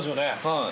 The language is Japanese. はい。